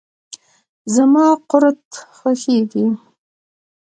زما قورت خوشیزی.